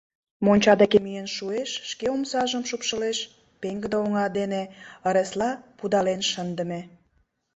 Монча деке миен шуэш, шке омсажым шупшылеш — пеҥгыде оҥа дене ыресла пудален шындыме.